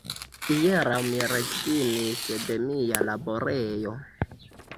Hieraŭ mi rezignis de mia laborejo